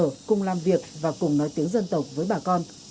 cùng ở cùng làm việc và cùng nói tiếng dân tộc với bà con